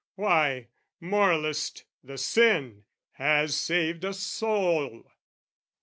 Why, moralist, the sin has saved a soul!